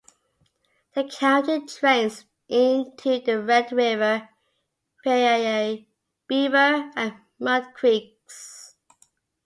The county drains into the Red River via Beaver and Mud creeks.